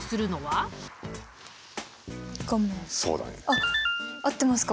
あっ合ってますか？